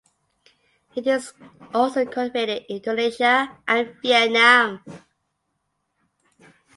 It is also cultivated in Indonesia and Vietnam.